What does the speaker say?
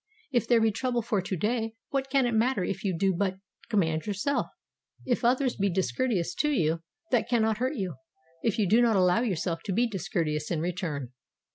If there be trouble for to day, what can it matter if you do but command yourself? If others be discourteous to you, that cannot hurt you, if you do not allow yourself to be discourteous in return.